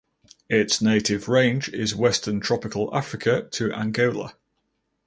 Its native range is Western Tropical Africa to Angola.